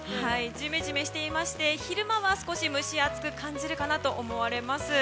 ジメジメしていて昼間は蒸し暑く感じるかなと思われます。